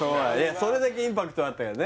それだけインパクトあったよね